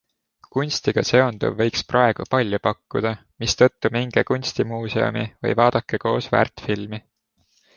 Kunstiga seonduv võiks praegu palju pakkuda, mistõttu minge kunstimuuseumi või vaadake koos väärtfilmi.